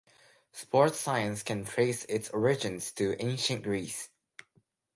Sports Science can trace its origins to ancient Greece.